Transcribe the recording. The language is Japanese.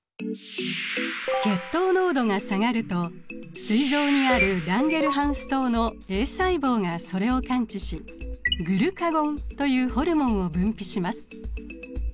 血糖濃度が下がるとすい臓にあるランゲルハンス島のＡ細胞がそれを感知しグルカゴンというホルモンを分泌します。